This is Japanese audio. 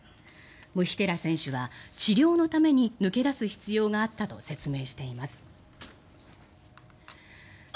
ムヒティラ選手は治療のために抜け出す必要があったと説明しています。